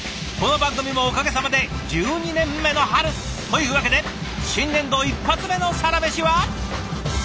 この番組もおかげさまで１２年目の春。というわけで新年度一発目のサラメシは。